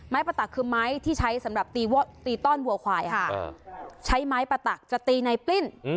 ประตักคือไม้ที่ใช้สำหรับตีต้อนวัวควายค่ะใช้ไม้ประตักจะตีในปลิ้น